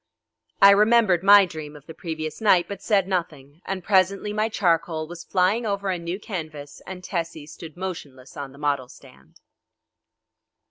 I remembered my dream of the previous night but said nothing, and presently my charcoal was flying over a new canvas, and Tessie stood motionless on the model stand.